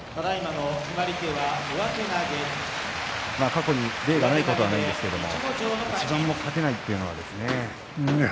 過去に例がないことはないですが一番も勝てないというのはですね。